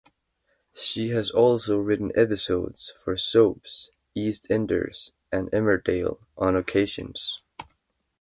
She has also written episodes for soaps "EastEnders" and "Emmerdale" on occasions.